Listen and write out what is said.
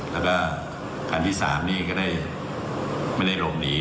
แล้วก็ขันที่๓ได้เลือกหลบหนี